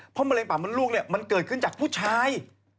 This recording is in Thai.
เพราะมะเร็งป่ามันลูกมันเกิดขึ้นจากผู้ชาย